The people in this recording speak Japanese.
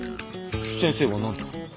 先生は何と？